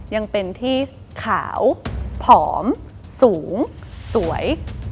ยังเป็นที่ขาวผอมสูงสวย